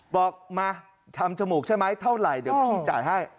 บอกมาทำจมูกใช่ไหมเท่าไหร่เดี๋ยวพี่จ่ายให้